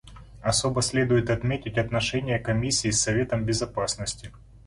Особо следует отметить отношения Комиссии с Советом Безопасности.